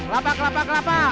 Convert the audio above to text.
lapa kelapa kelapa